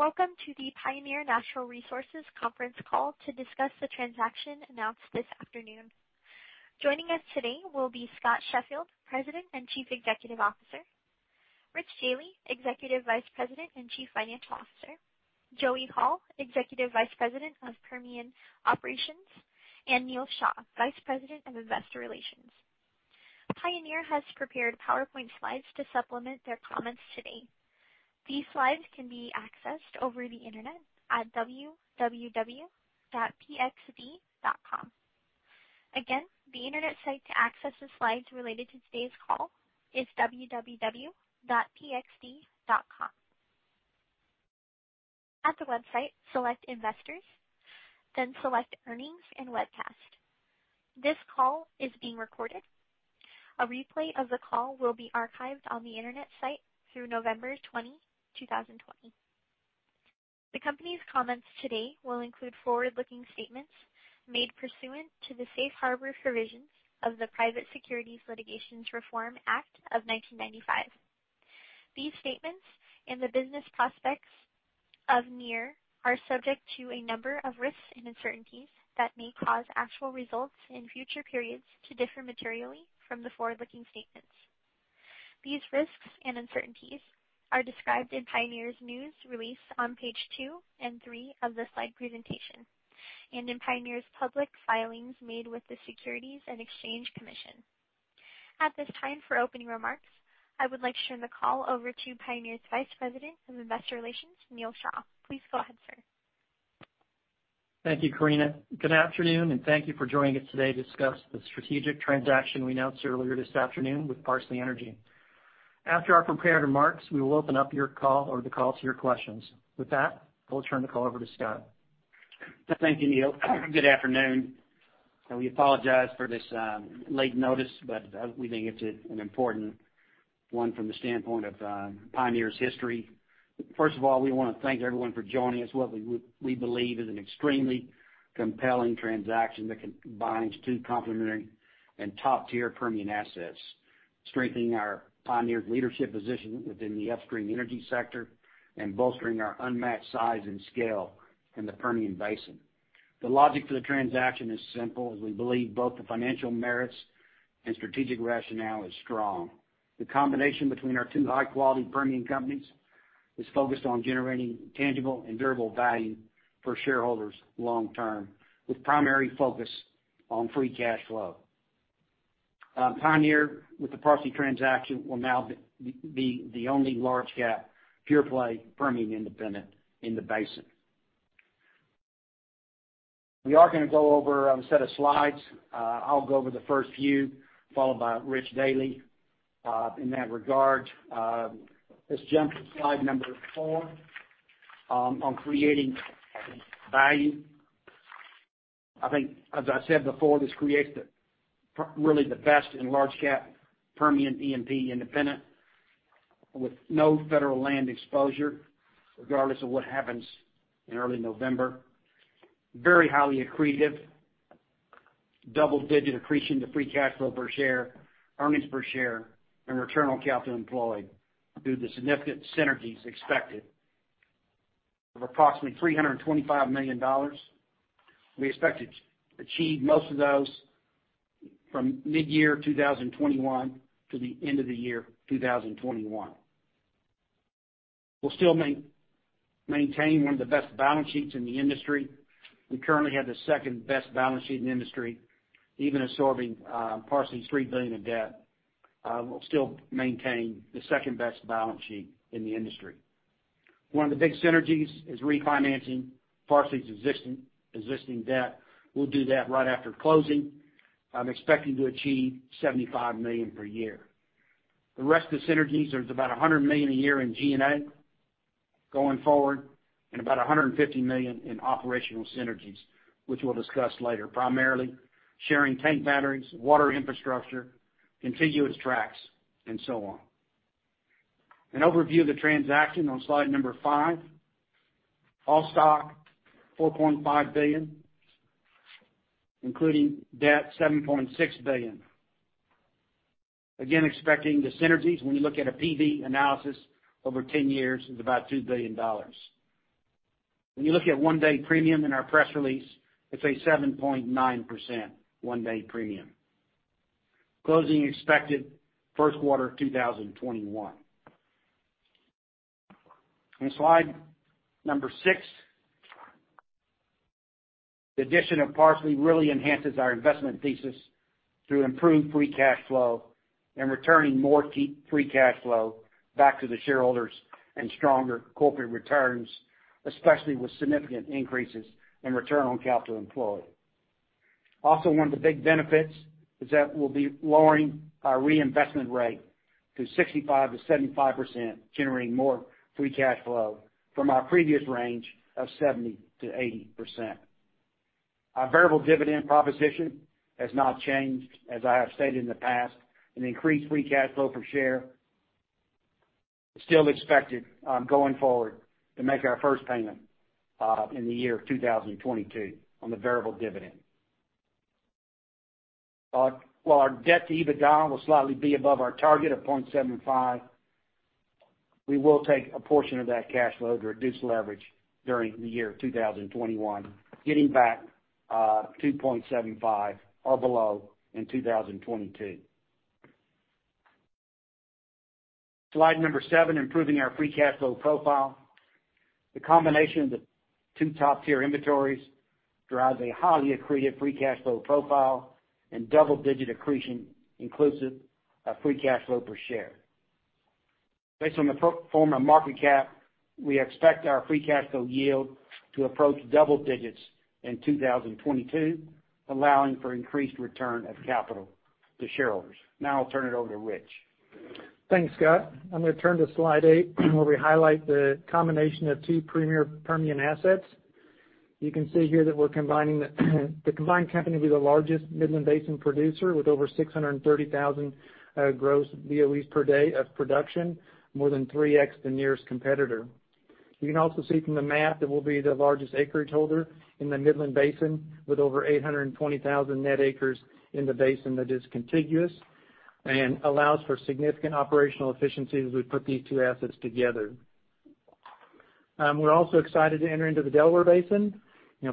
Welcome to the Pioneer Natural Resources conference call to discuss the transaction announced this afternoon. Joining us today will be Scott Sheffield, President and Chief Executive Officer, Rich Dealy, Executive Vice President and Chief Financial Officer, Joey Hall, Executive Vice President of Permian Operations, and Neal Shah, Vice President of Investor Relations. Pioneer has prepared PowerPoint slides to supplement their comments today. These slides can be accessed over the Internet at www.pxd.com. Again, the Internet site to access the slides related to today's call is www.pxd.com. At the website, select Investors, then select Earnings and Webcast. This call is being recorded. A replay of the call will be archived on the Internet site through November 20, 2020. The company's comments today will include forward-looking statements made pursuant to the safe harbor provisions of the Private Securities Litigation Reform Act of 1995. These statements and the business prospects of Pioneer are subject to a number of risks and uncertainties that may cause actual results in future periods to differ materially from the forward-looking statements. These risks and uncertainties are described in Pioneer's news release on page two and three of the slide presentation, and in Pioneer's public filings made with the Securities and Exchange Commission. At this time, for opening remarks, I would like to turn the call over to Pioneer's Vice President of Investor Relations, Neal Shah. Please go ahead, sir. Thank you, Karina. Good afternoon, and thank you for joining us today to discuss the strategic transaction we announced earlier this afternoon with Parsley Energy. After our prepared remarks, we will open up your call or the call to your questions. With that, I will turn the call over to Scott. Thank you, Neal. Good afternoon. We apologize for this late notice. We think it's an important one from the standpoint of Pioneer's history. First of all, we want to thank everyone for joining us what we believe is an extremely compelling transaction that combines two complementary and top-tier Permian assets, strengthening our Pioneer leadership position within the upstream energy sector and bolstering our unmatched size and scale in the Permian Basin. The logic for the transaction is simple, as we believe both the financial merits and strategic rationale is strong. The combination between our two high-quality Permian companies is focused on generating tangible and durable value for shareholders long term, with primary focus on free cash flow. Pioneer, with the Parsley transaction, will now be the only large-cap, pure-play Permian independent in the basin. We are going to go over a set of slides. I'll go over the first few, followed by Rich Dealy. In that regard, let's jump to slide number four on creating value. I think, as I said before, this creates really the best in large-cap Permian E&P independent with no federal land exposure, regardless of what happens in early November. Very highly accretive. Double-digit accretion to free cash flow per share, earnings per share, and return on capital employed through the significant synergies expected of approximately $325 million. We expect to achieve most of those from mid-year 2021 to the end of the year 2021. We'll still maintain one of the best balance sheets in the industry. We currently have the second-best balance sheet in the industry. Even absorbing Parsley's $3 billion of debt, we'll still maintain the second-best balance sheet in the industry. One of the big synergies is refinancing Parsley's existing debt. We'll do that right after closing. I'm expecting to achieve $75 million per year. The rest of the synergies, there's about $100 million a year in G&A going forward and about $150 million in operational synergies, which we'll discuss later, primarily sharing tank batteries, water infrastructure, contiguous tracks, and so on. An overview of the transaction on slide number five. All stock, $4.5 billion, including debt, $7.6 billion. Expecting the synergies, when you look at a PV analysis over 10 years is about $2 billion. When you look at one day premium in our press release, it's a 7.9% one day premium. Closing expected first quarter 2021. On slide number six, the addition of Parsley really enhances our investment thesis through improved free cash flow and returning more free cash flow back to the shareholders and stronger corporate returns, especially with significant increases in return on capital employed. Also, one of the big benefits is that we'll be lowering our reinvestment rate to 65%-75%, generating more free cash flow from our previous range of 70%-80%. Our variable dividend proposition has not changed as I have stated in the past. Increased free cash flow per share is still expected going forward to make our first payment in the year 2022 on the variable dividend. While our debt to EBITDA will slightly be above our target of 0.75x, we will take a portion of that cash load to reduce leverage during the year 2021, getting back to 0.75x or below in 2022. Slide number seven, improving our free cash flow profile. The combination of the two top-tier inventories drives a highly accretive free cash flow profile and double-digit accretion inclusive of free cash flow per share. Based on the performance of market cap, we expect our free cash flow yield to approach double digits in 2022, allowing for increased return of capital to shareholders. Now I'll turn it over to Rich. Thanks, Scott. I'm going to turn to slide eight, where we highlight the combination of two premier Permian assets. You can see here that the combined company will be the largest Midland Basin producer with over 630,000 gross BOEs per day of production, more than 3x the nearest competitor. You can also see from the map that we'll be the largest acreage holder in the Midland Basin, with over 820,000 net acres in the basin that is contiguous and allows for significant operational efficiency as we put these two assets together. We're also excited to enter into the Delaware Basin.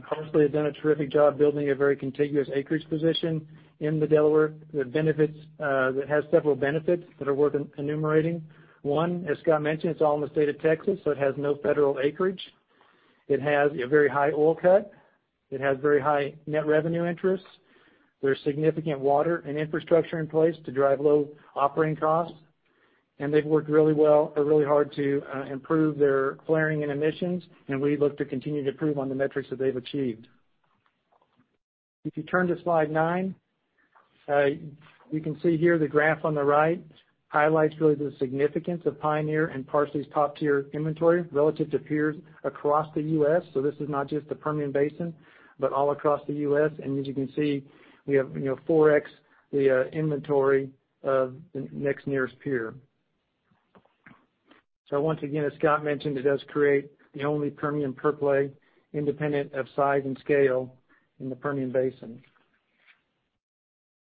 Parsley has done a terrific job building a very contiguous acreage position in the Delaware, that has several benefits that are worth enumerating. One, as Scott mentioned, it's all in the state of Texas, so it has no federal acreage. It has a very high oil cut. It has very high net revenue interest. There is significant water and infrastructure in place to drive low operating costs, and they have worked really hard to improve their flaring and emissions, and we look to continue to improve on the metrics that they have achieved. If you turn to slide nine, you can see here the graph on the right highlights really the significance of Pioneer and Parsley's top-tier inventory relative to peers across the U.S. This is not just the Permian Basin, but all across the U.S. As you can see, we have 4x the inventory of the next nearest peer. Once again, as Scott mentioned, it does create the only Permian pure play independent of size and scale in the Permian Basin.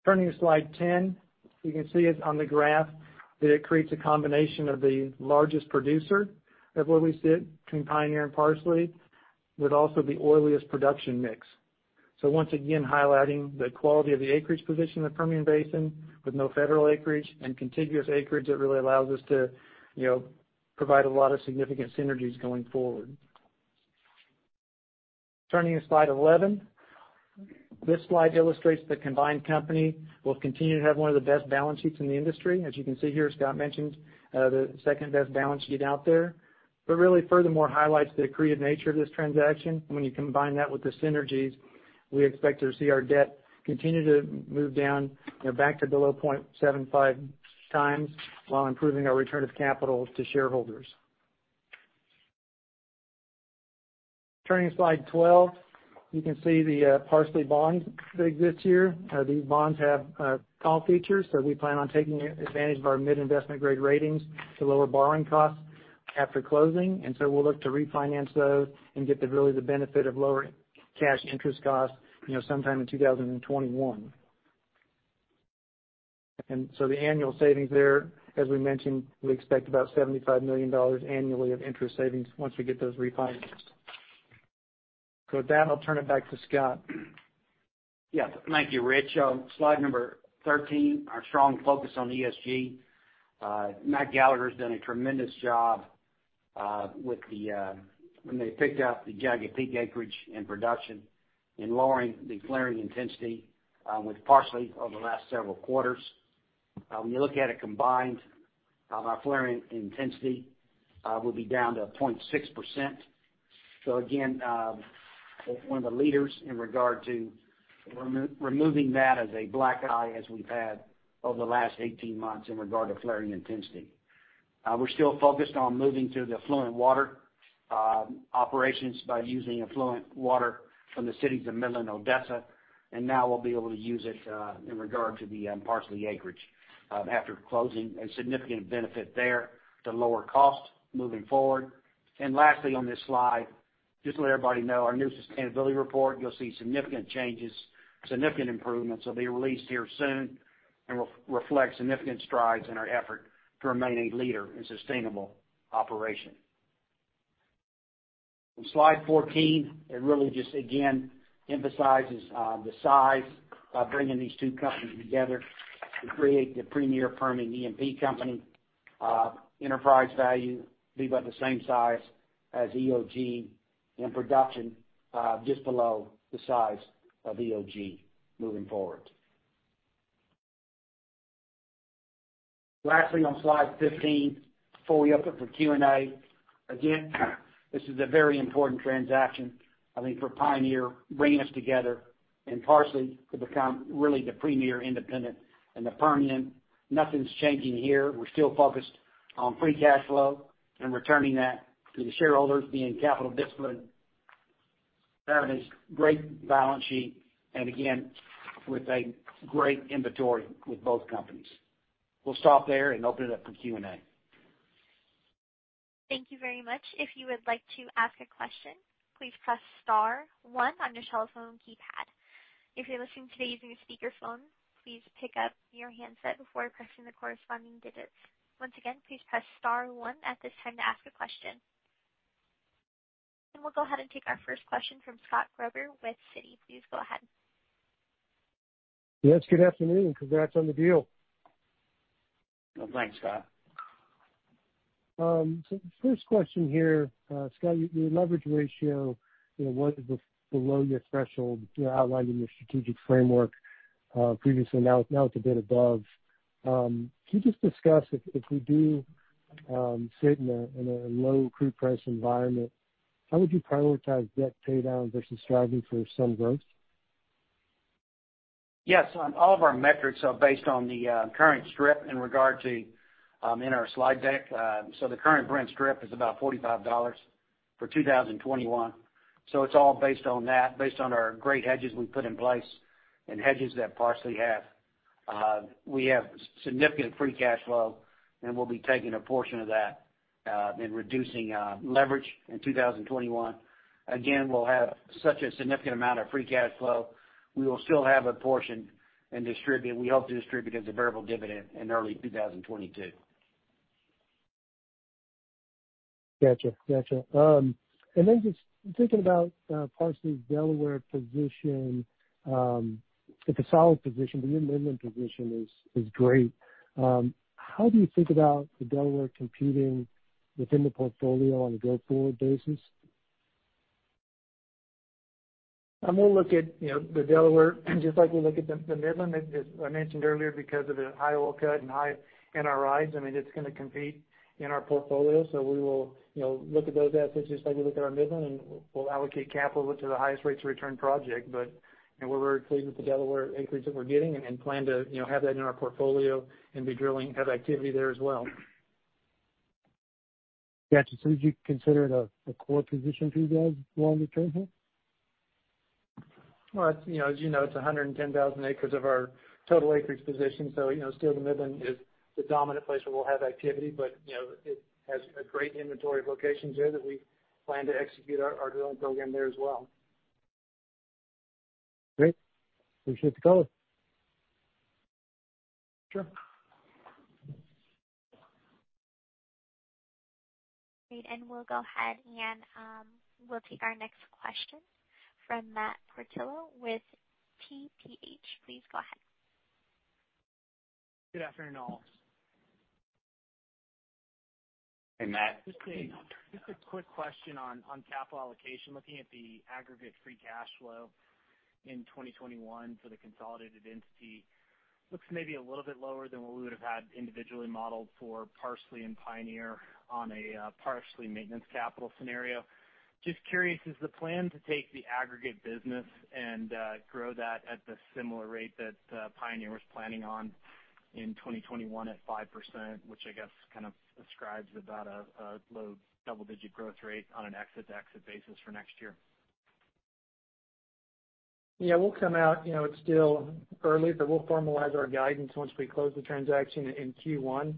Turning to slide 10, you can see it on the graph that it creates a combination of the largest producer of where we sit between Pioneer and Parsley, with also the oiliest production mix. Once again, highlighting the quality of the acreage position in the Permian Basin with no federal acreage and contiguous acreage that really allows us to provide a lot of significant synergies going forward. Turning to slide 11. This slide illustrates the combined company will continue to have one of the best balance sheets in the industry. As you can see here, as Scott mentioned, the second-best balance sheet out there, really furthermore highlights the accretive nature of this transaction. When you combine that with the synergies, we expect to see our debt continue to move down back to below 0.75x while improving our return of capital to shareholders. Turning to slide 12. You can see the Parsley bonds that exist here. These bonds have call features, so we plan on taking advantage of our mid-investment grade ratings to lower borrowing costs after closing. We'll look to refinance those and get really the benefit of lower cash interest costs sometime in 2021. The annual savings there, as we mentioned, we expect about $75 million annually of interest savings once we get those refinanced. With that, I'll turn it back to Scott. Yes. Thank you, Rich. Slide number 13, our strong focus on ESG. Matt Gallagher has done a tremendous job when they picked up the Jagged Peak acreage and production in lowering the flaring intensity with Parsley over the last several quarters. When you look at it combined, our flaring intensity will be down to 0.6%. Again, one of the leaders in regard to removing that as a black eye as we've had over the last 18 months in regard to flaring intensity. We're still focused on moving to the effluent water operations by using effluent water from the cities of Midland, Odessa, and now we'll be able to use it in regard to the Parsley acreage after closing. A significant benefit there to lower costs moving forward. Lastly on this slide, just to let everybody know, our new sustainability report, you'll see significant changes, significant improvements will be released here soon and will reflect significant strides in our effort to remain a leader in sustainable operation. On slide 14, it really just, again, emphasizes the size by bringing these two companies together to create the premier Permian E&P company. Enterprise value will be about the same size as EOG in production, just below the size of EOG moving forward. Lastly, on slide 15, before we open for Q&A, again, this is a very important transaction, I think, for Pioneer, bringing us together and Parsley to become really the premier independent in the Permian. Nothing's changing here. We're still focused on free cash flow and returning that to the shareholders, being capital disciplined, having this great balance sheet, and again, with a great inventory with both companies. We'll stop there and open it up for Q&A. Thank you very much. If you would like to ask a question, please press star one on your telephone keypad. If you're listening today using a speakerphone, please pick up your handset before pressing the corresponding digits. Once again, please press star one at this time to ask a question. We'll go ahead and take our first question from Scott Gruber with Citi. Please go ahead. Yes, good afternoon. Congrats on the deal. Well, thanks, Scott. First question here. Scott, your leverage ratio was below your threshold. You're outlining your strategic framework previously, now it's a bit above. Can you just discuss if we do sit in a low crude price environment, how would you prioritize debt pay down versus striving for some growth? Yes. All of our metrics are based on the current strip in regard to in our slide deck. The current Brent strip is about $45 for 2021. It's all based on that, based on our great hedges we put in place and hedges that Parsley have. We have significant free cash flow, and we'll be taking a portion of that in reducing leverage in 2021. Again, we'll have such a significant amount of free cash flow. We will still have a portion and distribute. We hope to distribute as a variable dividend in early 2022. Got you. Just thinking about Parsley's Delaware position. It's a solid position, the Midland position is great. How do you think about the Delaware competing within the portfolio on a go forward basis? We'll look at the Delaware just like we look at the Midland, as I mentioned earlier, because of the high oil cut and high NRIs. It's going to compete in our portfolio. We will look at those assets just like we look at our Midland, and we'll allocate capital to the highest rates of return project. We're very pleased with the Delaware acreage that we're getting and plan to have that in our portfolio and be drilling, have activity there as well. Got you. Would you consider it a core position for you guys longer term here? As you know, it's 110,000 acres of our total acreage position. Still the Midland is the dominant place where we'll have activity, but it has a great inventory of locations there that we plan to execute our drilling program there as well. Great. Appreciate the color. Sure. Great. We'll go ahead, and we'll take our next question from Matt Portillo with TPH. Please go ahead. Good afternoon, all. Hey, Matt. Just a quick question on capital allocation. Looking at the aggregate free cash flow in 2021 for the consolidated entity, looks maybe a little bit lower than what we would have had individually modeled for Parsley and Pioneer on a Parsley maintenance capital scenario. Just curious, is the plan to take the aggregate business and grow that at the similar rate that Pioneer was planning on in 2021 at 5%, which I guess kind of ascribes about a low double-digit growth rate on an exit-to-exit basis for next year? We'll come out. It's still early, but we'll formalize our guidance once we close the transaction in Q1.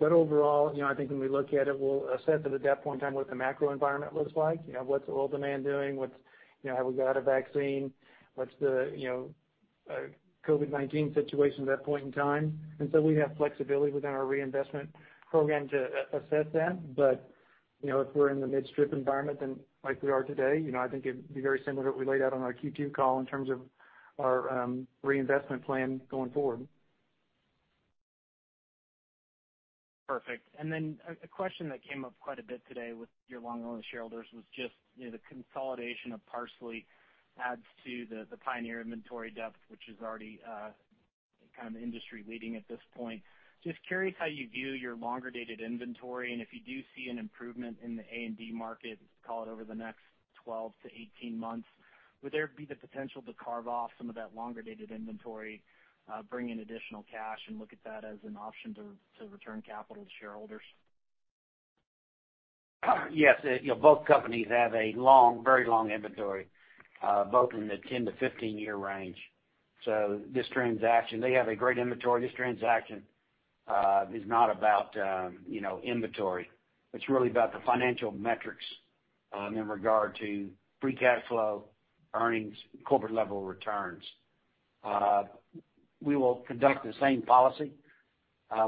Overall, I think when we look at it, we'll assess at that point in time what the macro environment looks like. What's oil demand doing? Have we got a vaccine? What's the COVID-19 situation at that point in time? We have flexibility within our reinvestment program to assess that. If we're in the mid-strip environment, then like we are today, I think it'd be very similar to what we laid out on our Q2 call in terms of our reinvestment plan going forward. Perfect. A question that came up quite a bit today with your long-running shareholders was just the consolidation of Parsley adds to the Pioneer inventory depth, which is already kind of industry leading at this point. Just curious how you view your longer-dated inventory, and if you do see an improvement in the A&D market, call it over the next 12-18 months, would there be the potential to carve off some of that longer-dated inventory, bring in additional cash, and look at that as an option to return capital to shareholders? Yes. Both companies have a very long inventory, both in the 10-15-year range. This transaction, they have a great inventory. This transaction is not about inventory. It's really about the financial metrics in regard to free cash flow, earnings, corporate level returns. We will conduct the same policy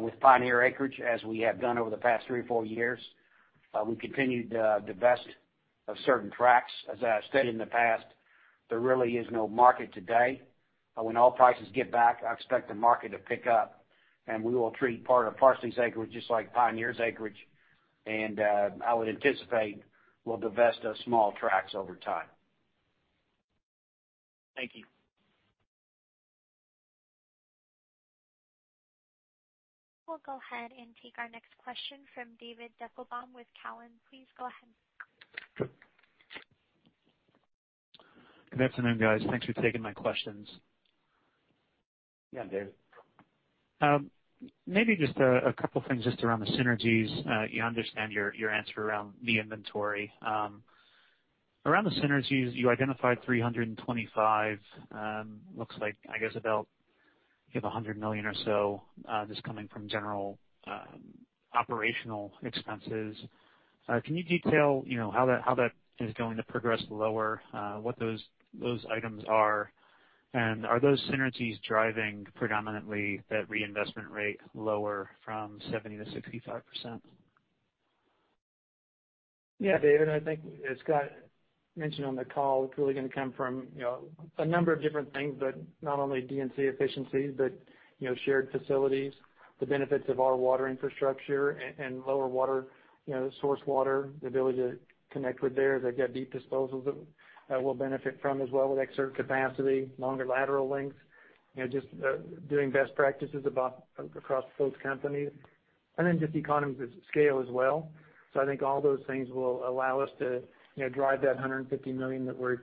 with Pioneer acreage as we have done over the past three or four years. We continue to divest of certain tracts. As I've stated in the past, there really is no market today. When oil prices get back, I expect the market to pick up, and we will treat part of Parsley's acreage just like Pioneer's acreage, and I would anticipate we'll divest of small tracts over time. Thank you. We'll go ahead and take our next question from David Deckelbaum with Cowen. Please go ahead. Good afternoon, guys. Thanks for taking my questions. Yeah, David. Maybe just a couple things just around the synergies. You understand your answer around the inventory. Around the synergies, you identified $325 million. Looks like, I guess, about you have $100 million or so just coming from general operational expenses. Can you detail how that is going to progress lower, what those items are, and are those synergies driving predominantly that reinvestment rate lower from 70%-65%? David, I think as Scott mentioned on the call, it's really going to come from a number of different things, but not only D&C efficiencies, but shared facilities, the benefits of our water infrastructure and lower source water, the ability to connect with theirs. They've got deep disposals that we'll benefit from as well with extra capacity, longer lateral lengths. Just doing best practices across both companies. Just economies of scale as well. I think all those things will allow us to drive that $150 million that we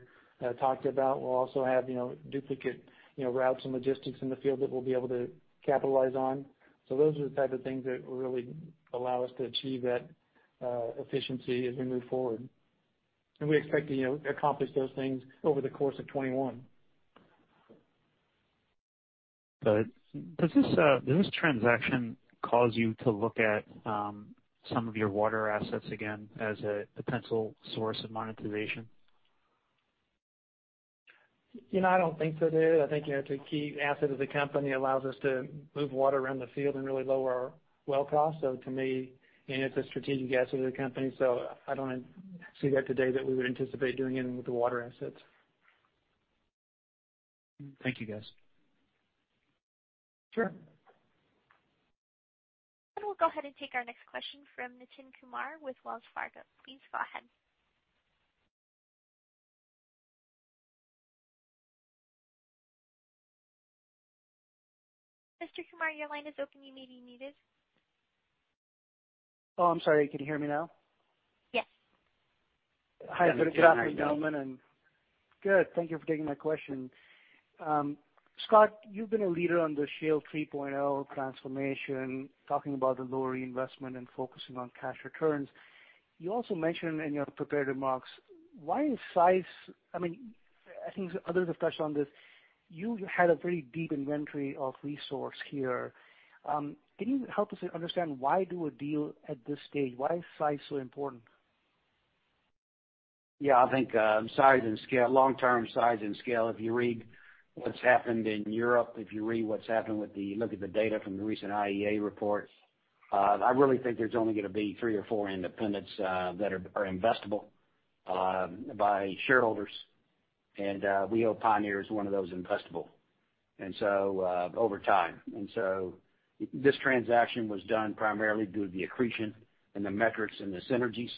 talked about. We'll also have duplicate routes and logistics in the field that we'll be able to capitalize on. Those are the type of things that really allow us to achieve that efficiency as we move forward. We expect to accomplish those things over the course of 2021. Does this transaction cause you to look at some of your water assets again as a potential source of monetization? I don't think so, David. I think it's a key asset of the company, allows us to move water around the field and really lower our well cost. To me, it's a strategic asset of the company, so I don't see that today that we would anticipate doing anything with the water assets. Thank you, guys. Sure. We'll go ahead and take our next question from Nitin Kumar with Wells Fargo. Please go ahead. Mr. Kumar, your line is open. You may be muted. Oh, I'm sorry. Can you hear me now? Yes. Hi, good afternoon, gentlemen. Yes, we can hear you now. Good. Thank you for taking my question. Scott, you've been a leader on the Shale 3.0 transformation, talking about the lower reinvestment and focusing on cash returns. You also mentioned in your prepared remarks why size I think others have touched on this. You had a very deep inventory of resource here. Can you help us understand why do a deal at this stage? Why is size so important? Yeah, I think size and scale, long-term size and scale. If you read what's happened in Europe, look at the data from the recent IEA report. I really think there's only going to be three or four independents that are investable by shareholders. We hope Pioneer is one of those investable over time. This transaction was done primarily due to the accretion and the metrics and the synergies.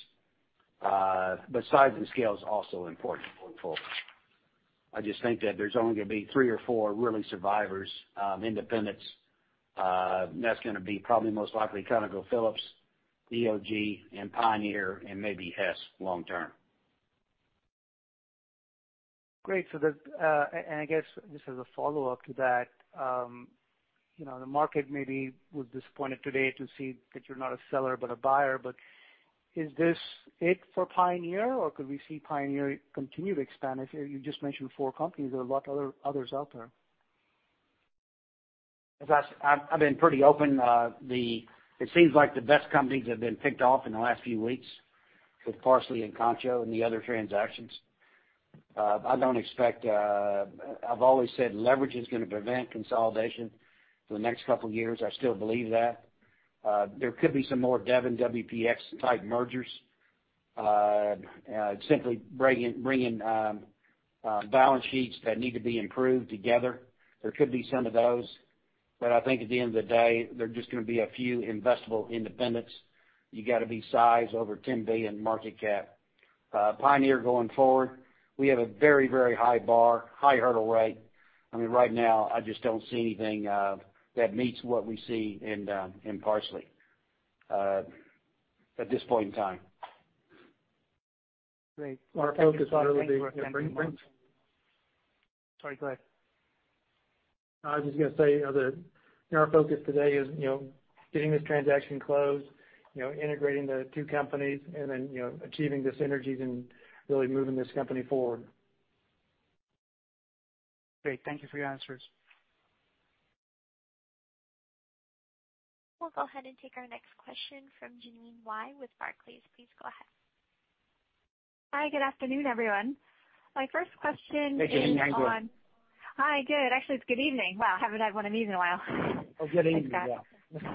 Size and scale is also important going forward. I just think that there's only going to be three or four really survivors, independents. That's going to be probably most likely ConocoPhillips, EOG, and Pioneer, and maybe Hess long term. Great. I guess just as a follow-up to that. The market maybe was disappointed today to see that you're not a seller, but a buyer. Is this it for Pioneer, or could we see Pioneer continue to expand? You just mentioned four companies. There are a lot other others out there. I've been pretty open. It seems like the best companies have been picked off in the last few weeks with Parsley and Concho and the other transactions. I've always said leverage is going to prevent consolidation for the next couple of years. I still believe that. There could be some more Devon, WPX-type mergers. Simply bringing balance sheets that need to be improved together. There could be some of those. I think at the end of the day, there are just going to be a few investable independents. You got to be sized over $10 billion market cap. Pioneer going forward, we have a very high bar, high hurdle rate. Right now, I just don't see anything that meets what we see in Parsley at this point in time. Great. Thank you, Scott. Our focus really will be- Thanks for calling. Bring it. Sorry, go ahead. I was just going to say, our focus today is getting this transaction closed, integrating the two companies, and then achieving the synergies and really moving this company forward. Great. Thank you for your answers. We'll go ahead and take our next question from Jeanine Wai with Barclays. Please go ahead. Hi, good afternoon, everyone. My first question is on- Hey, Jeanine. How are you doing? Hi, good. Actually, it's good evening. Wow, haven't had one of these in a while. Oh, good evening. Yeah. Thanks,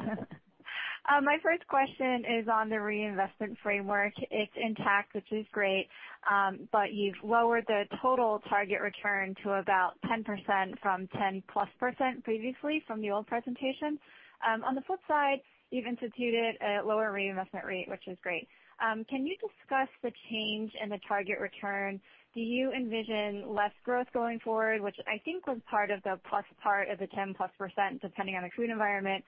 Scott. My first question is on the reinvestment framework. It's intact, which is great. You've lowered the total target return to about 10% from 10%+ previously from the old presentation. On the flip side, you've instituted a lower reinvestment rate, which is great. Can you discuss the change in the target return? Do you envision less growth going forward, which I think was part of the plus part of the 10%+ depending on the crude environment?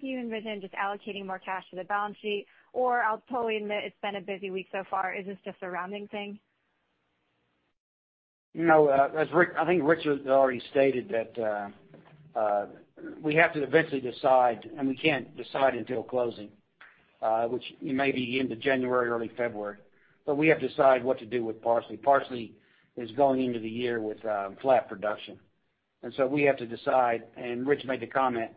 Do you envision just allocating more cash to the balance sheet? I'll totally admit it's been a busy week so far. Is this just a rounding thing? No. I think Richard already stated that we have to eventually decide, and we can't decide until closing, which may be into January, early February. We have to decide what to do with Parsley. Parsley is going into the year with flat production. We have to decide, and Rich made the comment,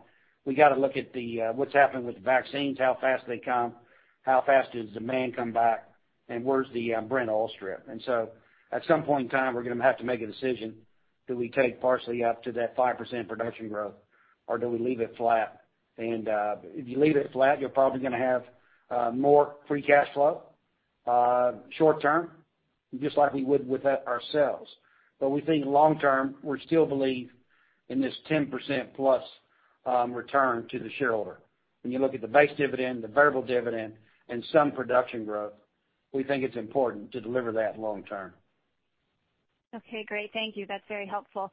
we got to look at what's happening with the vaccines, how fast they come, how fast does demand come back, and where's the Brent oil strip. At some point in time, we're going to have to make a decision. Do we take Parsley up to that 5% production growth, or do we leave it flat? If you leave it flat, you're probably going to have more free cash flow short-term, just like we would with that ourselves. We think long-term, we still believe in this 10%+ return to the shareholder. When you look at the base dividend, the variable dividend, and some production growth, we think it's important to deliver that long term. Okay, great. Thank you. That's very helpful.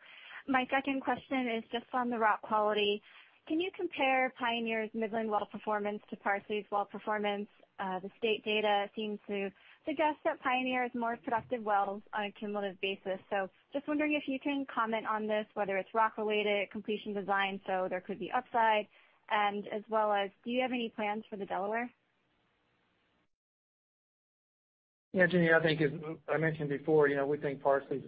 My second question is just on the rock quality. Can you compare Pioneer's Midland well performance to Parsley's well performance? The state data seems to suggest that Pioneer has more productive wells on a cumulative basis. Just wondering if you can comment on this, whether it's rock related, completion design, so there could be upside, and as well as do you have any plans for the Delaware? Yeah, Jeanine, I think as I mentioned before, we think Parsley's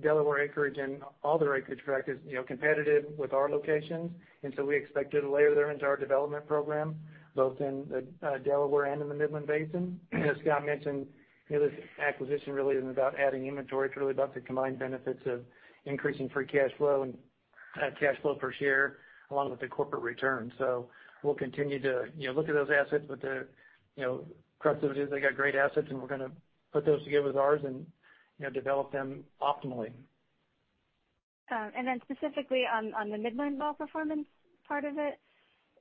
Delaware acreage and all their acreage tract is competitive with our locations. We expect to layer theirs into our development program, both in the Delaware and in the Midland Basin. As Scott mentioned, this acquisition really isn't about adding inventory. It's really about the combined benefits of increasing free cash flow and cash flow per share along with the corporate return. We'll continue to look at those assets. The crux of it is they got great assets, and we're going to put those together with ours and develop them optimally. Specifically on the Midland well performance part of it,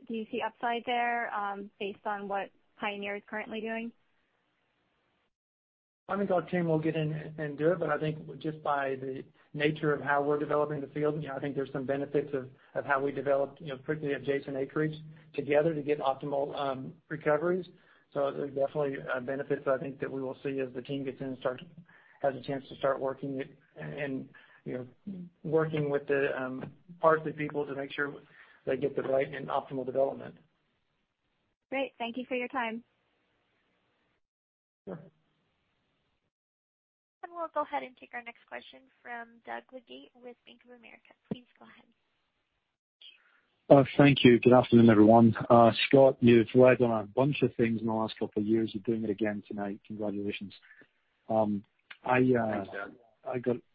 do you see upside there based on what Pioneer is currently doing? I think our team will get in and do it. I think just by the nature of how we're developing the field, I think there's some benefits of how we develop, particularly adjacent acreage together to get optimal recoveries. There's definitely benefits I think that we will see as the team gets in and has a chance to start working with the Parsley people to make sure they get the right and optimal development. Great. Thank you for your time. Sure. We'll go ahead and take our next question from Doug Leggate with Bank of America. Please go ahead. Thank you. Good afternoon, everyone. Scott, you've relied on a bunch of things in the last couple of years. You're doing it again tonight. Congratulations. Thanks, Doug.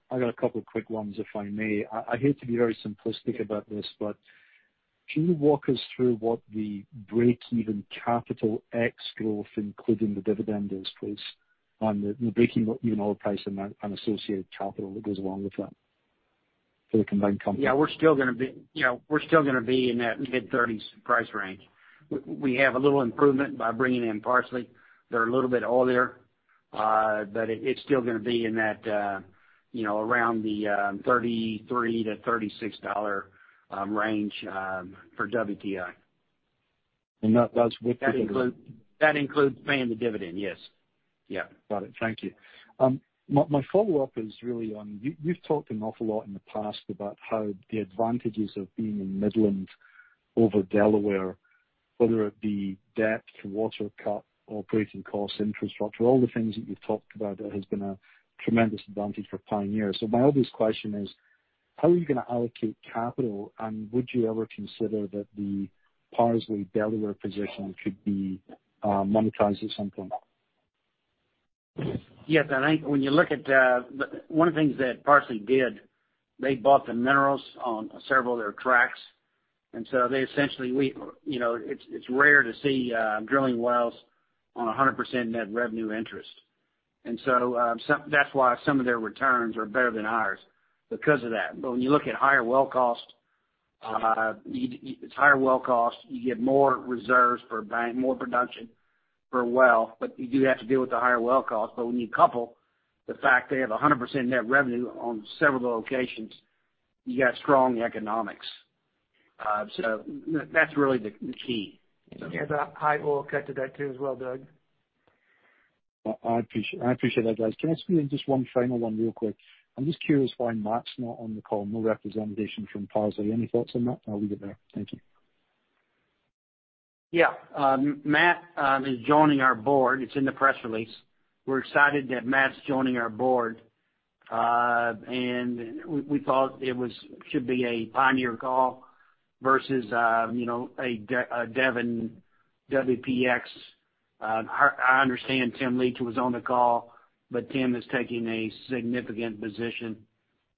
I got a couple of quick ones, if I may. I hate to be very simplistic about this, can you walk us through what the break-even CapEx growth, including the dividend is, please, on the breaking even oil price and associated capital that goes along with that for the combined company? Yeah, we're still going to be in that mid-30s price range. We have a little improvement by bringing in Parsley. They're a little bit oilier. It's still going to be around the $33-$36 range for WTI. That's with the dividend? That includes paying the dividend, yes. Got it. Thank you. My follow-up is really on, you've talked an awful lot in the past about how the advantages of being in Midland over Delaware, whether it be depth, water cut, operating costs, infrastructure, all the things that you've talked about that has been a tremendous advantage for Pioneer. My obvious question is, how are you going to allocate capital? Would you ever consider that the Parsley Delaware position could be monetized at some point? Yes. I think one of the things that Parsley did, they bought the minerals on several of their tracts. It's rare to see drilling wells on 100% net revenue interest. That's why some of their returns are better than ours because of that. When you look at higher well cost, you get more reserves for a buck, more production per well, but you do have to deal with the higher well cost. When you couple the fact they have 100% net revenue on several of the locations, you got strong economics. That's really the key. Yeah. That high oil cut to that too as well, Doug. I appreciate that, guys. Can I ask you just one final one real quick? I'm just curious why Matt's not on the call, no representation from Parsley. Any thoughts on that? I'll leave it there. Thank you. Yeah. Matt is joining our board. It's in the press release. We're excited that Matt's joining our board. We thought it should be a Pioneer call versus a Devon WPX. I understand Tim Leach was on the call, but Tim is taking a significant position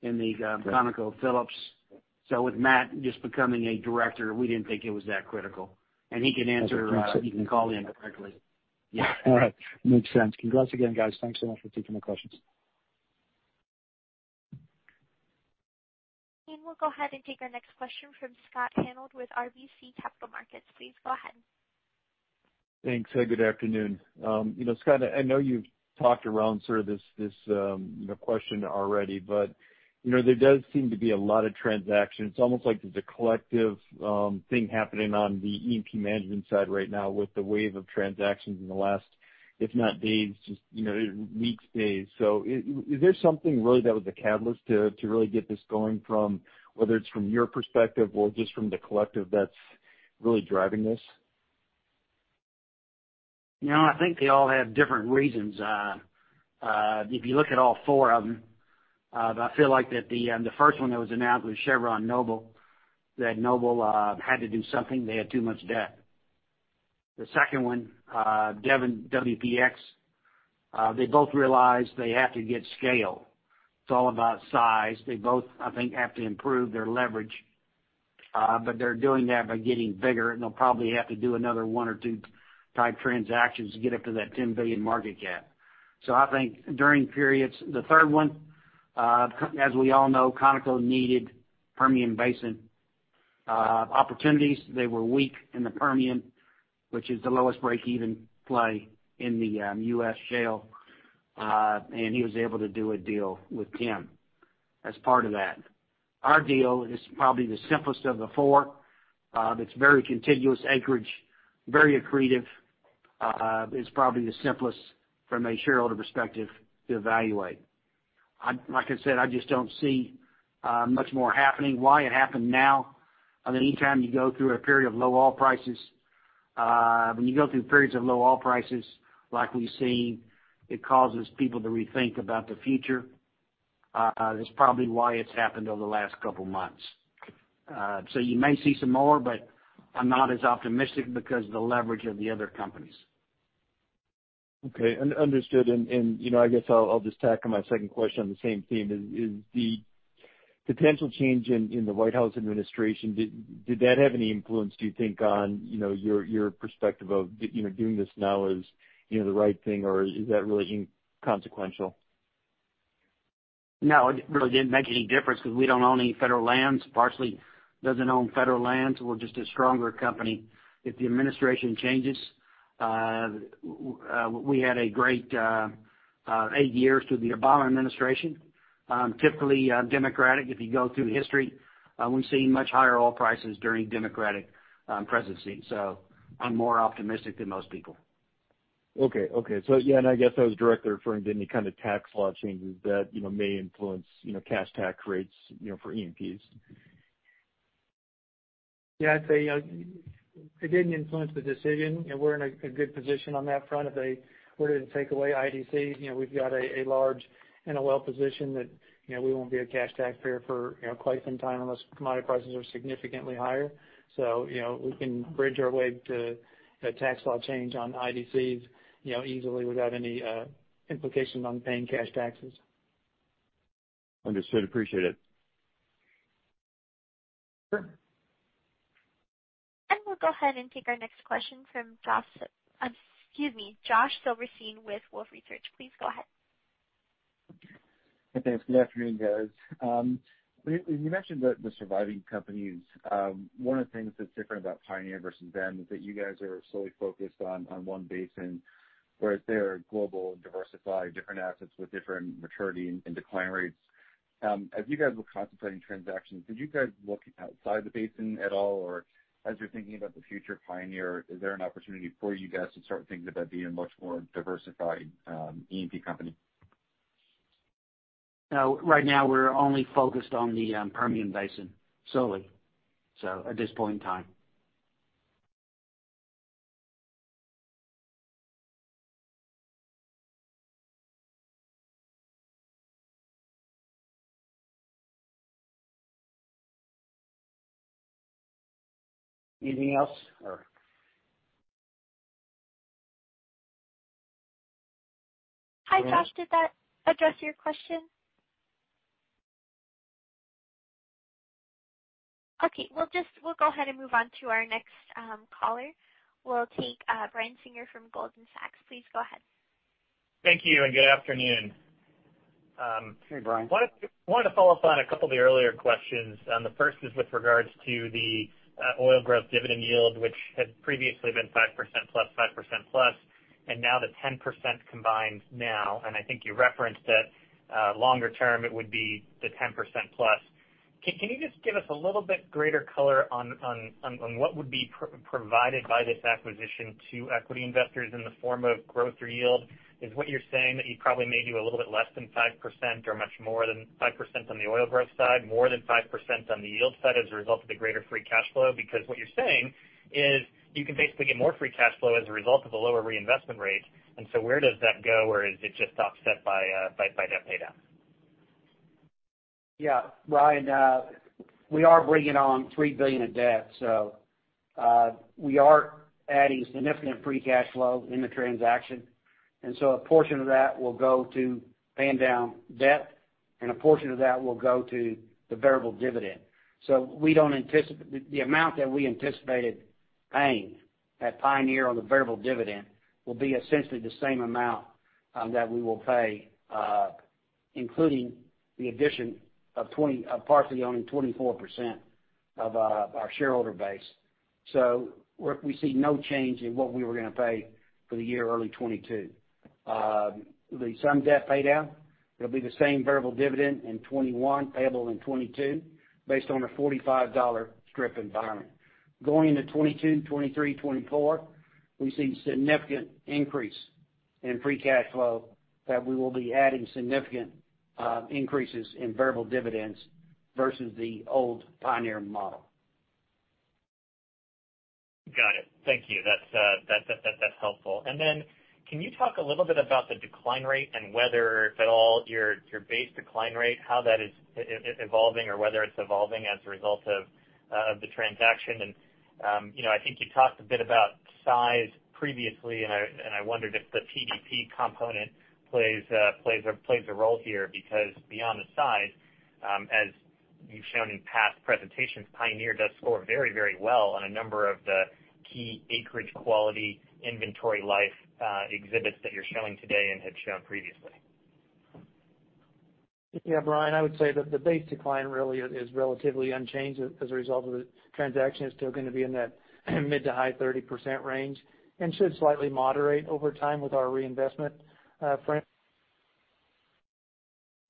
in the ConocoPhillips. With Matt just becoming a director, we didn't think it was that critical. He can call in if necessary. All right. Makes sense. Congrats again, guys. Thanks so much for taking the questions. We'll go ahead and take our next question from Scott Hanold with RBC Capital Markets. Please go ahead. Thanks. Good afternoon. Scott, I know you've talked around sort of this question already, there does seem to be a lot of transactions. It's almost like there's a collective thing happening on the E&P management side right now with the wave of transactions in the last if not days, just weeks, days. Is there something really that was the catalyst to really get this going, whether it's from your perspective or just from the collective that's really driving this? No, I think they all have different reasons. If you look at all four of them, I feel like that the first one that was announced was Chevron, Noble. Noble had to do something. They had too much debt. The second one, Devon, WPX, they both realized they have to get scale. It's all about size. They both, I think, have to improve their leverage. They're doing that by getting bigger, and they'll probably have to do another one or two type transactions to get up to that 10 billion market cap. I think during periods The third one, as we all know, Conoco needed Permian Basin opportunities. They were weak in the Permian, which is the lowest breakeven play in the U.S. shale. He was able to do a deal with Tim as part of that. Our deal is probably the simplest of the four. It's very contiguous acreage, very accretive. It's probably the simplest from a shareholder perspective to evaluate. Like I said, I just don't see much more happening. Why it happened now, I mean, anytime you go through a period of low oil prices, when you go through periods of low oil prices like we've seen, it causes people to rethink about the future. That's probably why it's happened over the last couple of months. You may see some more, but I'm not as optimistic because of the leverage of the other companies. Okay. Understood. I guess I'll just tack on my second question on the same theme. Is the potential change in the White House administration, did that have any influence, do you think, on your perspective of doing this now as the right thing? Or is that really inconsequential? No, it really didn't make any difference because we don't own any federal lands. Parsley doesn't own federal lands. We're just a stronger company. If the administration changes, we had a great eight years through the Obama administration. Typically, Democratic, if you go through history, we've seen much higher oil prices during Democratic presidency. I'm more optimistic than most people. Okay. Yeah, I guess I was directly referring to any kind of tax law changes that may influence cash tax rates for E&Ps. Yeah, I'd say it didn't influence the decision. We're in a good position on that front. If they were to take away IDC, we've got a large NOL position that we won't be a cash tax payer for quite some time, unless commodity prices are significantly higher. We can bridge our way to a tax law change on IDCs, easily without any implications on paying cash taxes. Understood. Appreciate it. Sure. We'll go ahead and take our next question from Josh Silverstein with Wolfe Research. Please go ahead. Hey, thanks. Good afternoon, guys. When you mentioned the surviving companies, one of the things that's different about Pioneer versus them is that you guys are solely focused on one basin, whereas they're global and diversified, different assets with different maturity and decline rates. As you guys were contemplating transactions, did you guys look outside the basin at all? Or as you're thinking about the future of Pioneer, is there an opportunity for you guys to start thinking about being a much more diversified E&P company? No. Right now, we're only focused on the Permian Basin, solely. At this point in time. Anything else? Hi, Josh. Did that address your question? Okay, we'll go ahead and move on to our next caller. We'll take Brian Singer from Goldman Sachs. Please go ahead. Thank you and good afternoon. Hey, Brian. Wanted to follow up on a couple of the earlier questions. The first is with regards to the oil growth dividend yield, which had previously been 5%+, now the 10% combined now, I think you referenced that longer term, it would be the 10%+. Can you just give us a little bit greater color on what would be provided by this acquisition to equity investors in the form of growth or yield? Is what you're saying that you probably may do a little bit less than 5% or much more than 5% on the oil growth side, more than 5% on the yield side as a result of the greater free cash flow? What you're saying is you can basically get more free cash flow as a result of a lower reinvestment rate. Where does that go? Is it just offset by debt pay down? Yeah. Brian, we are bringing on $3 billion of debt. We are adding significant free cash flow in the transaction. A portion of that will go to paying down debt, and a portion of that will go to the variable dividend. The amount that we anticipated paying at Pioneer on the variable dividend will be essentially the same amount that we will pay, including the addition of Parsley owning 24% of our shareholder base. We see no change in what we were going to pay for the year early 2022. The sum debt paydown, it'll be the same variable dividend in 2021 payable in 2022 based on a $45 strip environment. Going into 2022, 2023, 2024, we see significant increase in free cash flow that we will be adding significant increases in variable dividends versus the old Pioneer model. Got it. Thank you. That's helpful. Then can you talk a little bit about the decline rate and whether at all your base decline rate, how that is evolving or whether it's evolving as a result of the transaction? I think you talked a bit about size previously, and I wondered if the PDP component plays a role here. Beyond the size, as you've shown in past presentations, Pioneer does score very well on a number of the key acreage quality inventory life exhibits that you're showing today and had shown previously. Yeah, Brian, I would say that the base decline really is relatively unchanged as a result of the transaction. It's still going to be in that mid to high 30% range and should slightly moderate over time with our reinvestment frame.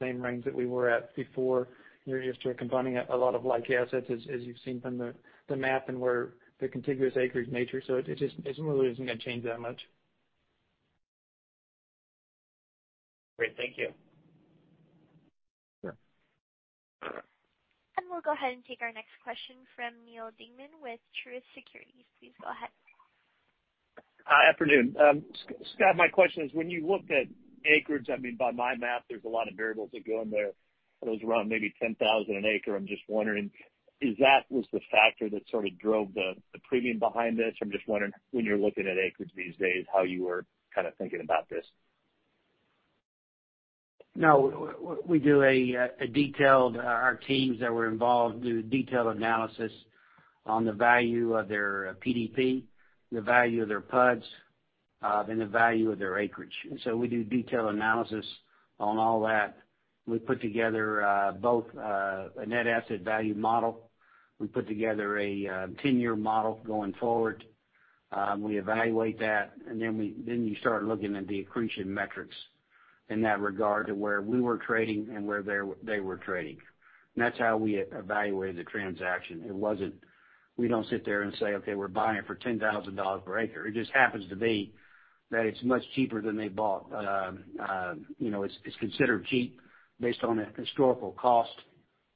Same range that we were at before. You're just combining a lot of like assets, as you've seen from the map and where the contiguous acreage nature. It really isn't going to change that much. Great. Thank you. Sure. We'll go ahead and take our next question from Neal Dingmann with Truist Securities. Please go ahead. Hi, afternoon. Scott, my question is, when you looked at acreage, by my math, there's a lot of variables that go in there. It was around maybe $10,000 an acre. I'm just wondering, is that was the factor that sort of drove the premium behind this? I'm just wondering when you're looking at acreage these days, how you are kind of thinking about this. No. Our teams that were involved do detailed analysis on the value of their PDP, the value of their PUDs, and the value of their acreage. We do detailed analysis on all that. We put together both a net asset value model. We put together a 10-year model going forward. We evaluate that, you start looking at the accretion metrics in that regard to where we were trading and where they were trading. That's how we evaluated the transaction. We don't sit there and say, "Okay, we're buying it for $10,000 per acre." It just happens to be that it's much cheaper than they bought. It's considered cheap based on a historical cost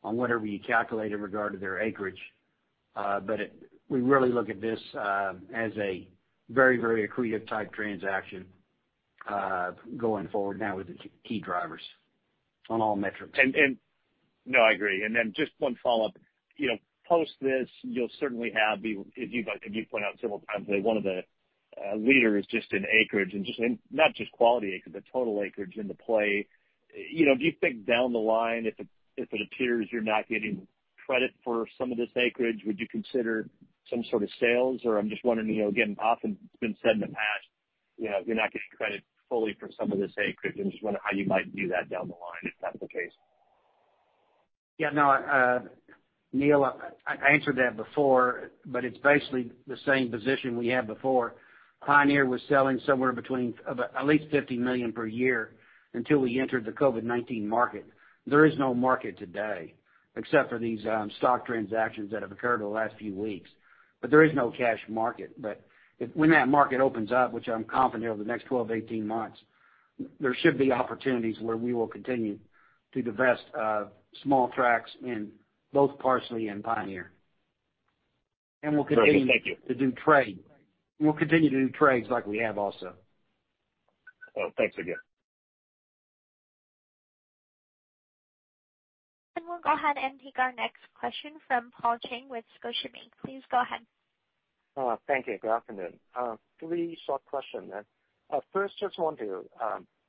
on whatever you calculate in regard to their acreage. We really look at this as a very accretive type transaction, going forward now with the key drivers on all metrics. No, I agree. Just one follow-up. Post this, you'll certainly have, as you've pointed out several times today, one of the leaders just in acreage and not just quality acreage, but total acreage in the play. Do you think down the line if it appears you're not getting credit for some of this acreage, would you consider some sort of sales? I'm just wondering again, often it's been said in the past, you're not getting credit fully for some of this acreage. I'm just wondering how you might view that down the line, if that's the case. Yeah. No, Neal, I answered that before, but it's basically the same position we had before. Pioneer was selling somewhere between at least $50 million per year until we entered the COVID-19 market. There is no market today except for these stock transactions that have occurred over the last few weeks, but there is no cash market. When that market opens up, which I'm confident over the next 12, 18 months, there should be opportunities where we will continue to divest small tracts in both Parsley and Pioneer. Perfect. Thank you. We'll continue to do trades like we have also. Well, thanks again. We'll go ahead and take our next question from Paul Cheng with Scotiabank. Please go ahead. Thank you. Good afternoon. Three short question. First, just want to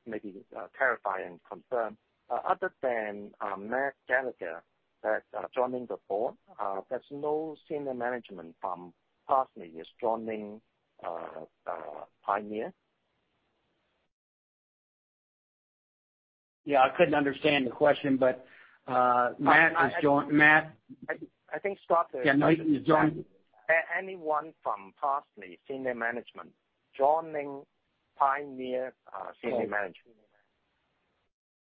maybe clarify and confirm. Other than Matt Gallagher that's joining the board, there's no senior management from Parsley is joining Pioneer? Yeah, I couldn't understand the question. Matt is joining. I think Scott- Yeah, no, he's joining. Anyone from Parsley senior management joining Pioneer senior management?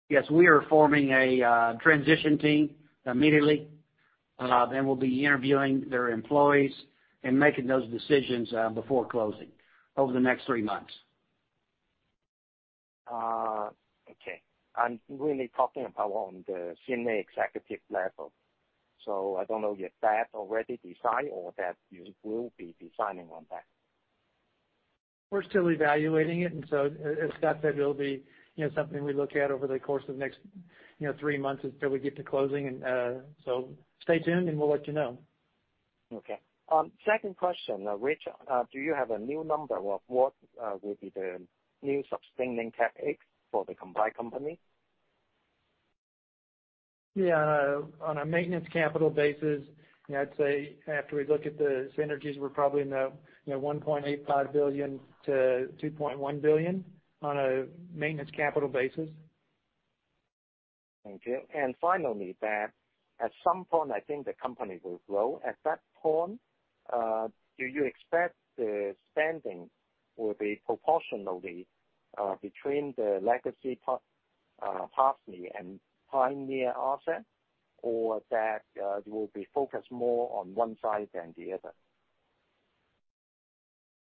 Yes. We are forming a transition team immediately. We'll be interviewing their employees and making those decisions before closing over the next three months. Okay. I'm really talking about on the senior executive level. I don't know if that already decided or that you will be deciding on that. We're still evaluating it, and so as Scott said, it'll be something we look at over the course of the next three months until we get to closing. Stay tuned, and we'll let you know. Okay. Second question. Rich, do you have a new number of what will be the new sustaining CapEx for the combined company? Yeah. On a maintenance capital basis, I'd say after we look at the synergies, we're probably in the $1.85 billion-$2.1 billion on a maintenance capital basis. Thank you. Finally, that at some point, I think the company will grow. At that point, do you expect the spending will be proportionally between the legacy Parsley and Pioneer assets, or that it will be focused more on one side than the other?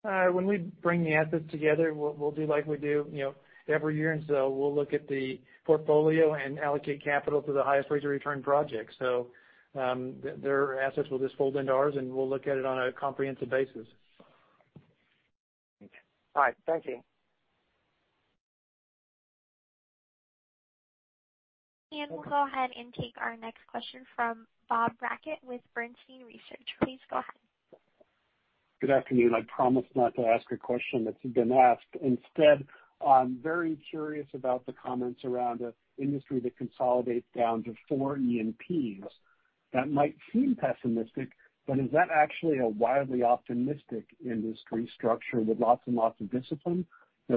When we bring the assets together, we'll do like we do every year, and so we'll look at the portfolio and allocate capital to the highest rates of return projects. Their assets will just fold into ours, and we'll look at it on a comprehensive basis. All right. Thank you. We'll go ahead and take our next question from Bob Brackett with Bernstein Research. Please go ahead. Good afternoon. I promise not to ask a question that's been asked. Instead, I'm very curious about the comments around an industry that consolidates down to four E&Ps. Is that actually a wildly optimistic industry structure with lots and lots of discipline?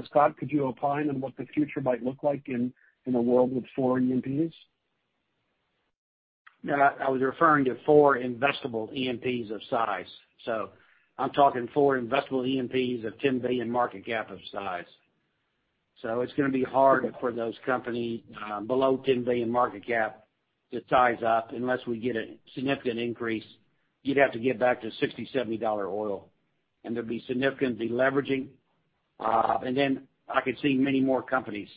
Scott, could you opine on what the future might look like in a world with four E&Ps? No, I was referring to four investable E&Ps of size. I'm talking four investable E&Ps of $10 billion market cap of size. It's going to be hard for those companies below $10 billion market cap to size up. Unless we get a significant increase, you'd have to get back to $60, $70 oil, and there'd be significant deleveraging. Then I could see many more companies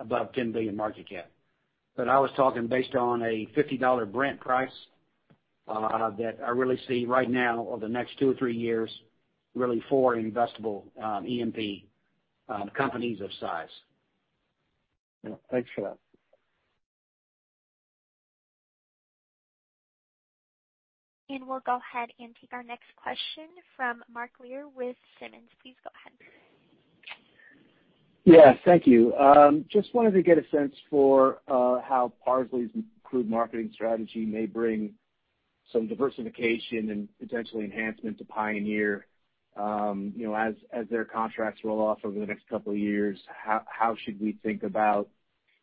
above $10 billion market cap. I was talking based on a $50 Brent price that I really see right now over the next two or three years, really four investable E&P companies of size. Yeah. Thanks for that. We'll go ahead and take our next question from Mark Lear with Simmons. Please go ahead. Yeah. Thank you. Just wanted to get a sense for how Parsley's improved marketing strategy may bring some diversification and potential enhancement to Pioneer as their contracts roll off over the next couple of years. How should we think about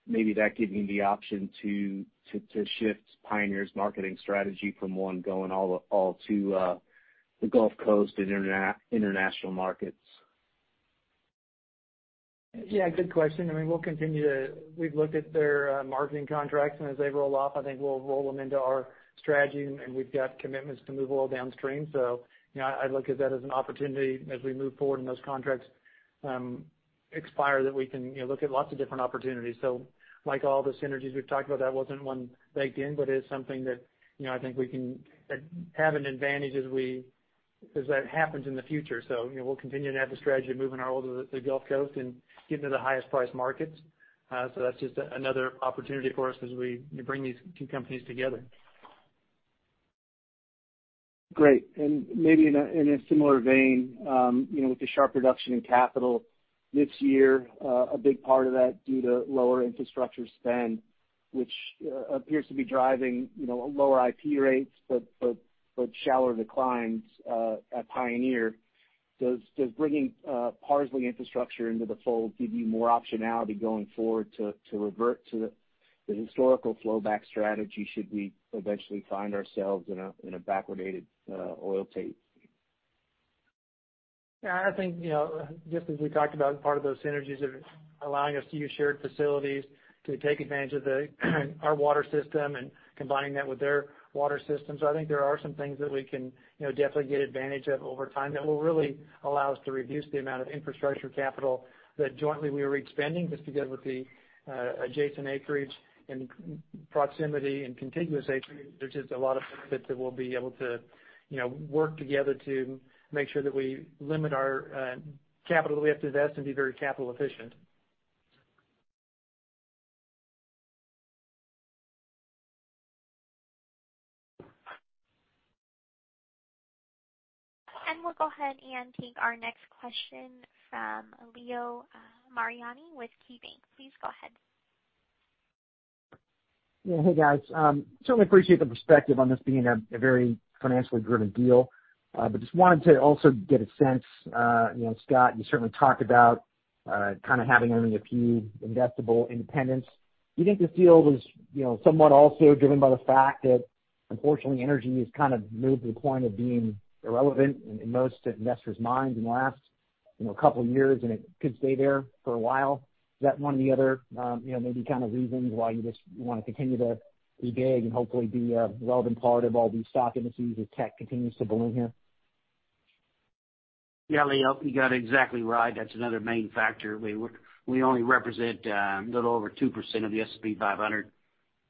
maybe that giving the option to shift Pioneer's marketing strategy from one going all to the Gulf Coast international markets? Yeah, good question. I mean, we've looked at their marketing contracts, and as they roll off, I think we'll roll them into our strategy, and we've got commitments to move oil downstream. I look at that as an opportunity as we move forward and those contracts expire, that we can look at lots of different opportunities. Like all the synergies we've talked about, that wasn't one baked in, but is something that I think we can have an advantage as that happens in the future. We'll continue to have the strategy of moving our oil to the Gulf Coast and getting to the highest price markets. That's just another opportunity for us as we bring these two companies together. Great. Maybe in a similar vein, with the sharp reduction in capital this year, a big part of that due to lower infrastructure spend, which appears to be driving lower IP rates, but shallower declines at Pioneer. Does bringing Parsley infrastructure into the fold give you more optionality going forward to revert to the historical flowback strategy should we eventually find ourselves in a backwardated oil tape? I think just as we talked about, part of those synergies are allowing us to use shared facilities to take advantage of our water system and combining that with their water system. I think there are some things that we can definitely get advantage of over time that will really allow us to reduce the amount of infrastructure capital that jointly we were each spending. Because with the adjacent acreage and proximity and contiguous acreage, there's just a lot of benefits that we'll be able to work together to make sure that we limit our capital we have to invest and be very capital efficient. We'll go ahead and take our next question from Leo Mariani with KeyBanc. Please go ahead. Yeah. Hey, guys. Certainly appreciate the perspective on this being a very financially driven deal, but just wanted to also get a sense. Scott, you certainly talked about kind of having only a few investable independents. Do you think this deal was somewhat also driven by the fact that, unfortunately, energy has kind of moved to the point of being irrelevant in most investors' minds in the last couple of years, and it could stay there for a while? Is that one of the other maybe kind of reasons why you just want to continue to be big and hopefully be a relevant part of all these stock indices as tech continues to balloon here? Yeah, Leo, you got it exactly right. That's another main factor. We only represent a little over 2% of the S&P 500.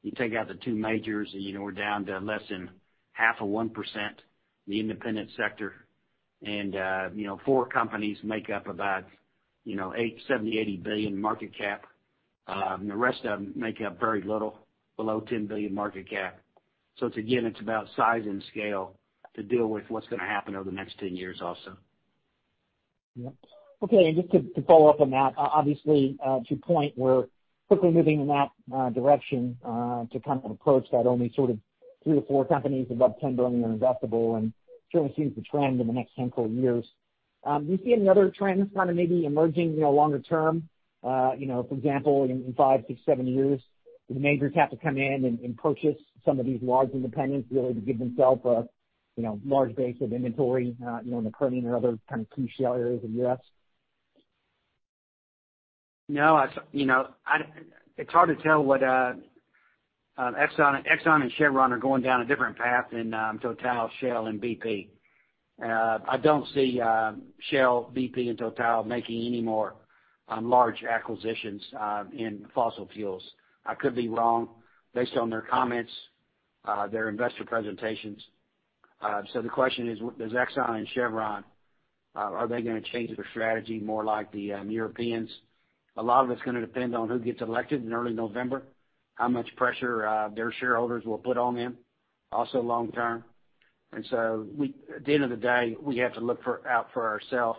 You take out the two majors, we're down to less than half of 1%, the independent sector. Four companies make up about $70 billion-$80 billion market cap. The rest of them make up very little, below $10 billion market cap. It's, again, it's about size and scale to deal with what's going to happen over the next 10 years also. Yeah. Okay, just to follow up on that, obviously to point, we're quickly moving in that direction to kind of approach that only sort of three or four companies above $10 billion investable, certainly seems the trend in the next 10, 12 years. Do you see any other trends maybe emerging longer term? For example, in five, six, seven years, the majors have to come in and purchase some of these large independents really to give themselves a large base of inventory in the Permian or other key shale areas of the U.S.? No. It's hard to tell what ExxonMobil and Chevron are going down a different path than TotalEnergies, Shell, and BP. I don't see Shell, BP, and TotalEnergies making any more large acquisitions in fossil fuels. I could be wrong, based on their comments, their investor presentations. The question is, does ExxonMobil and Chevron, are they going to change their strategy more like the Europeans? A lot of it's going to depend on who gets elected in early November, how much pressure their shareholders will put on them, also long term. At the end of the day, we have to look out for ourself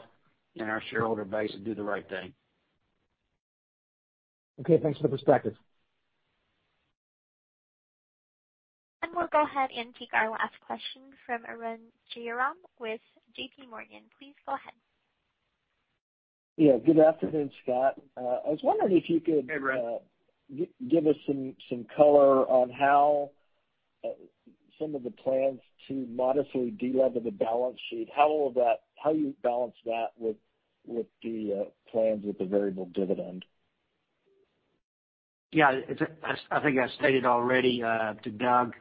and our shareholder base and do the right thing. Okay, thanks for the perspective. We'll go ahead and take our last question from Arun Jayaram with JPMorgan. Please go ahead. Good afternoon, Scott. Hey, Arun. Give us some color on how some of the plans to modestly de-lever the balance sheet. How you balance that with the plans with the variable dividend? Yeah. I think I stated already to Doug,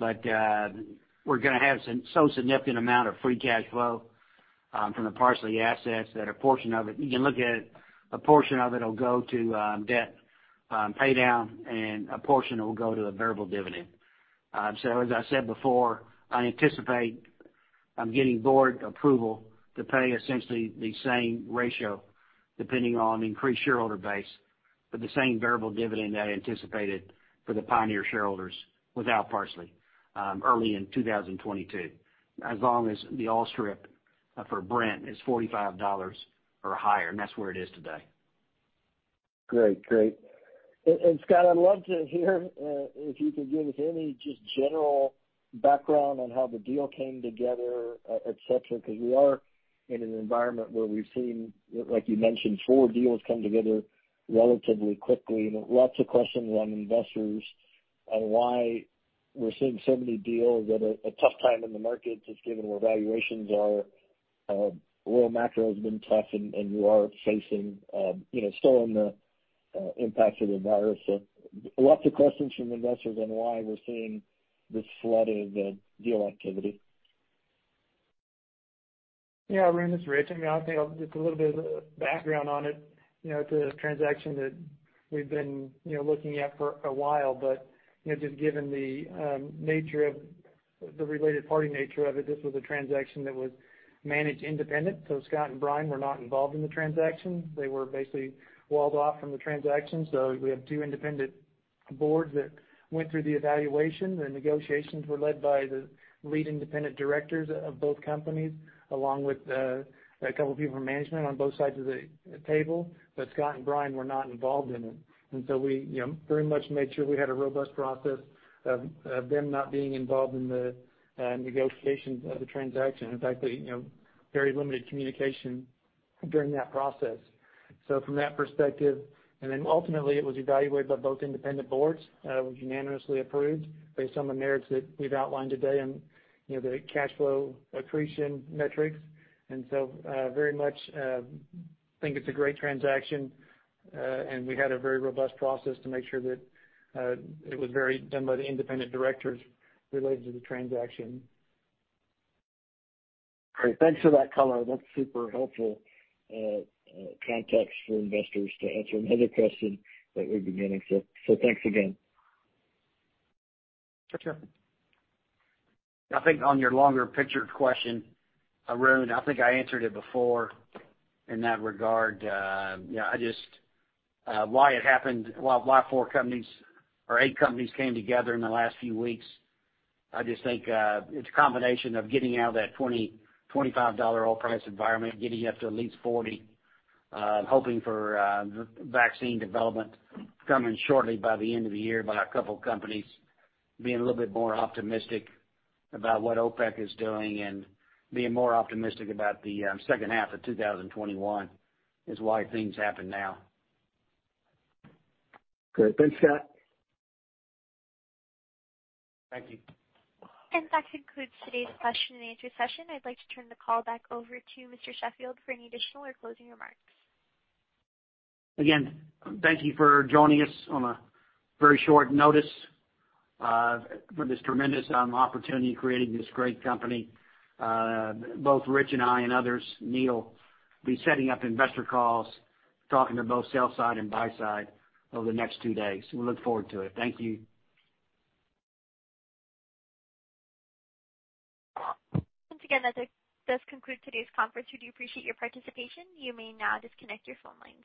we're going to have some significant amount of free cash flow from the Parsley assets that a portion of it, you can look at, a portion of it will go to debt pay down, and a portion of it will go to a variable dividend. As I said before, I anticipate I'm getting board approval to pay essentially the same ratio, depending on increased shareholder base, the same variable dividend I anticipated for the Pioneer shareholders without Parsley, early in 2022, as long as the oil strip for Brent is $45 or higher, that's where it is today. Great. Scott, I'd love to hear if you could give any just general background on how the deal came together, et cetera, because we are in an environment where we've seen, like you mentioned, four deals come together relatively quickly, and lots of questions on investors on why we're seeing so many deals at a tough time in the market, just given where valuations are. Oil macro has been tough, you are facing still on the impact of the virus. Lots of questions from investors on why we're seeing this flood of deal activity. Yeah, Arun, it's Rich. I think just a little bit of background on it. It's a transaction that we've been looking at for a while, just given the related party nature of it, this was a transaction that was managed independent. Scott and Brian were not involved in the transaction. They were basically walled off from the transaction. We have two independent boards that went through the evaluation. The negotiations were led by the lead independent directors of both companies, along with a couple of people from management on both sides of the table. Scott and Brian were not involved in it. We very much made sure we had a robust process of them not being involved in the negotiations of the transaction. In fact, very limited communication during that process. From that perspective, ultimately, it was evaluated by both independent boards, was unanimously approved based on the merits that we've outlined today and the cash flow accretion metrics. Very much think it's a great transaction, and we had a very robust process to make sure that it was done by the independent directors related to the transaction. Great. Thanks for that color. That's super helpful context for investors to answer another question that we've been getting. Thanks again. Sure. I think on your longer picture question, Arun, I think I answered it before in that regard. Why four companies or eight companies came together in the last few weeks? I just think it's a combination of getting out of that $20, $25 dollar oil price environment, getting up to at least $40, hoping for vaccine development coming shortly by the end of the year by a couple companies, being a little bit more optimistic about what OPEC is doing and being more optimistic about the second half of 2021 is why things happen now. Great. Thanks, Scott. Thank you. That concludes today's question and answer session. I'd like to turn the call back over to Mr. Sheffield for any additional or closing remarks. Thank you for joining us on a very short notice for this tremendous opportunity in creating this great company. Both Rich and I, and others, Neal, will be setting up investor calls, talking to both sell side and buy side over the next two days. We look forward to it. Thank you. Once again, that does conclude today's conference. We do appreciate your participation. You may now disconnect your phone lines.